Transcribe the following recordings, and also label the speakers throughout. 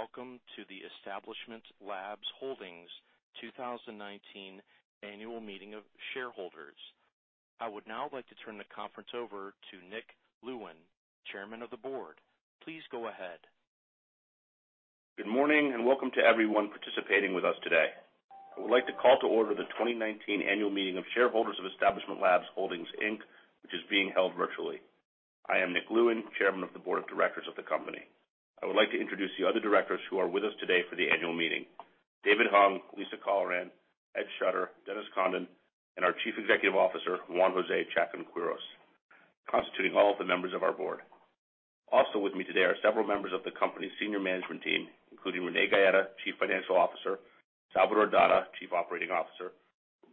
Speaker 1: Good morning, and welcome to the Establishment Labs Holdings 2019 Annual Meeting of Shareholders. I would now like to turn the conference over to Nick Lewin, Chairman of the Board. Please go ahead.
Speaker 2: Good morning and welcome to everyone participating with us today. I would like to call to order the 2019 Annual Meeting of Shareholders of Establishment Labs Holdings, Inc. which is being held virtually. I am Nick Lewin, Chairman of the Board of Directors of the company. I would like to introduce the other directors who are with us today for the annual meeting. David Hung, Lisa Colleran, Ed Schutter, Dennis Condon, and our Chief Executive Officer, Juan José Chacón-Quirós, constituting all of the members of our board. Also with me today are several members of the company's senior management team, including Renee Gaeta, Chief Financial Officer, Salvador Dada, Chief Operating Officer,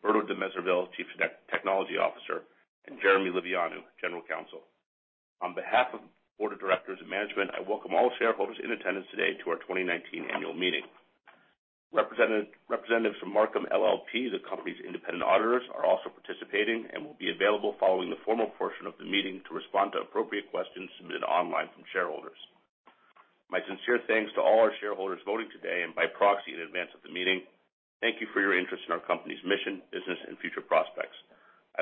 Speaker 2: Roberto de Mezerville, Chief Technology Officer, and Jeremy Livianu, General Counsel. On behalf of the board of directors and management, I welcome all shareholders in attendance today to our 2019 annual meeting. Representatives from Marcum LLP, the company's independent auditors, are also participating and will be available following the formal portion of the meeting to respond to appropriate questions submitted online from shareholders. My sincere thanks to all our shareholders voting today and by proxy in advance of the meeting. Thank you for your interest in our company's mission, business, and future prospects.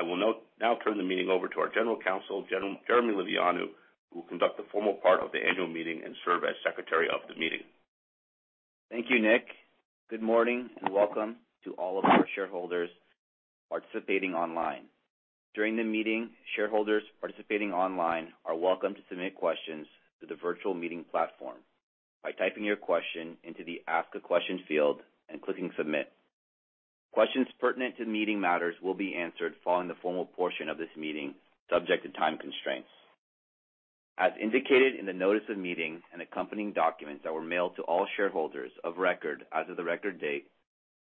Speaker 2: I will now turn the meeting over to our General Counsel, Jeremy Livianu, who will conduct the formal part of the annual meeting and serve as secretary of the meeting.
Speaker 3: Thank you, Nick. Good morning, and welcome to all of our shareholders participating online. During the meeting, shareholders participating online are welcome to submit questions through the virtual meeting platform by typing your question into the Ask a Question field and clicking Submit. Questions pertinent to meeting matters will be answered following the formal portion of this meeting, subject to time constraints. As indicated in the notice of meeting and accompanying documents that were mailed to all shareholders of record as of the record date,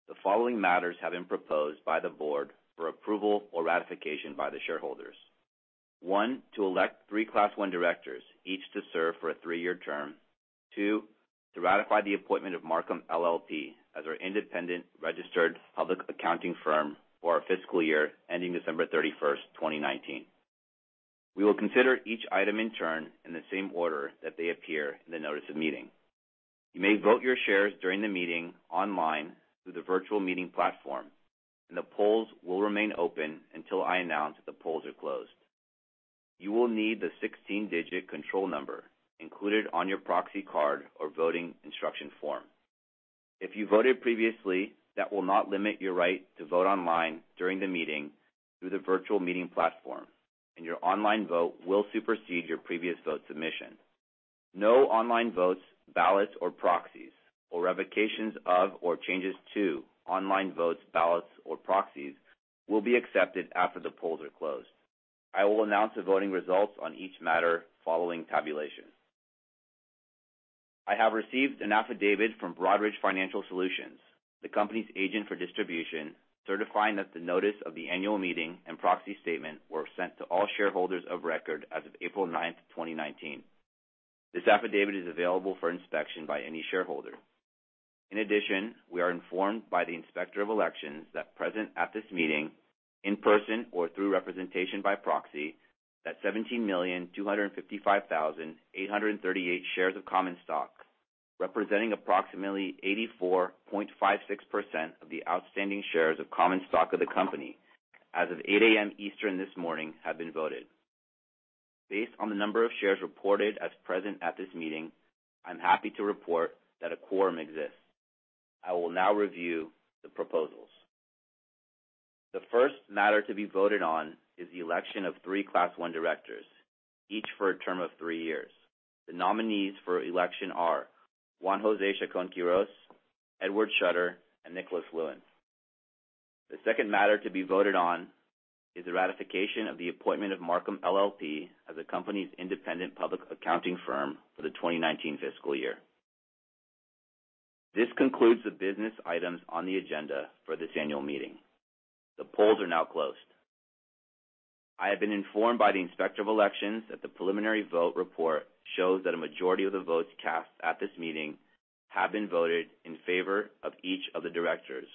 Speaker 3: the following matters have been proposed by the board for approval or ratification by the shareholders. One, to elect three Class I directors, each to serve for a three-year term. Two, to ratify the appointment of Marcum LLP as our independent registered public accounting firm for our fiscal year ending December 31st, 2019. We will consider each item in turn in the same order that they appear in the notice of meeting. You may vote your shares during the meeting online through the virtual meeting platform. The polls will remain open until I announce that the polls are closed. You will need the 16-digit control number included on your proxy card or voting instruction form. If you voted previously, that will not limit your right to vote online during the meeting through the virtual meeting platform, and your online vote will supersede your previous vote submission. No online votes, ballots, or proxies, or revocations of, or changes to online votes, ballots, or proxies will be accepted after the polls are closed. I will announce the voting results on each matter following tabulation. I have received an affidavit from Broadridge Financial Solutions, the company's agent for distribution, certifying that the notice of the annual meeting and proxy statement were sent to all shareholders of record as of April 9th, 2019. This affidavit is available for inspection by any shareholder. In addition, we are informed by the Inspector of Elections that present at this meeting, in person or through representation by proxy, that 17,255,838 shares of common stock, representing approximately 84.56% of the outstanding shares of common stock of the company, as of 8:00 A.M. Eastern this morning, have been voted. Based on the number of shares reported as present at this meeting, I'm happy to report that a quorum exists. I will now review the proposals. The first matter to be voted on is the election of three Class I directors, each for a term of three years. The nominees for election are Juan José Chacón-Quirós, Edward Schutter, and Nicholas Lewin. The second matter to be voted on is the ratification of the appointment of Marcum LLP as the company's independent public accounting firm for the 2019 fiscal year. This concludes the business items on the agenda for this annual meeting. The polls are now closed. I have been informed by the Inspector of Elections that the preliminary vote report shows that a majority of the votes cast at this meeting have been voted in favor of each of the directors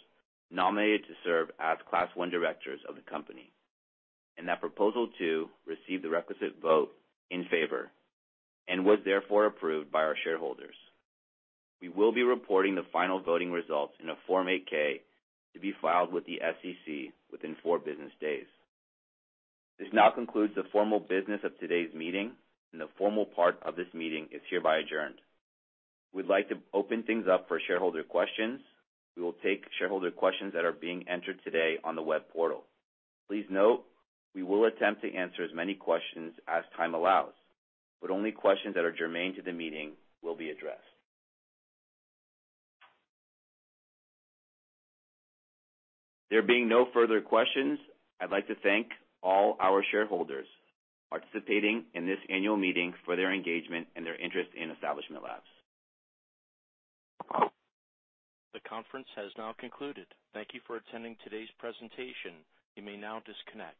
Speaker 3: nominated to serve as Class I directors of the company and that Proposal two received the requisite vote in favor and was therefore approved by our shareholders. We will be reporting the final voting results in a Form 8-K to be filed with the SEC within four business days. This now concludes the formal business of today's meeting. The formal part of this meeting is hereby adjourned. We'd like to open things up for shareholder questions. We will take shareholder questions that are being entered today on the web portal. Please note, we will attempt to answer as many questions as time allows, but only questions that are germane to the meeting will be addressed. There being no further questions, I'd like to thank all our shareholders participating in this annual meeting for their engagement and their interest in Establishment Labs.
Speaker 1: The conference has now concluded. Thank you for attending today's presentation. You may now disconnect.